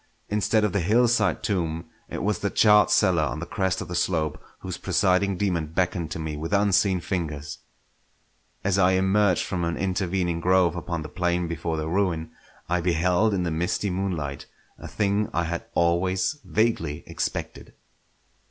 Instead of the hillside tomb, it was the charred cellar on the crest of the slope whose presiding daemon beckoned to me with unseen fingers. As I emerged from an intervening grove upon the plain before the ruin, I beheld in the misty moonlight a thing I had always vaguely expected.